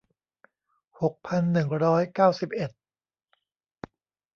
หกพันหนึ่งร้อยเก้าสิบเอ็ด